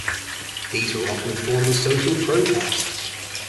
These were often a form of social protest.